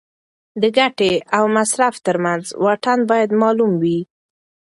د ګټې او مصرف ترمنځ واټن باید معلوم وي.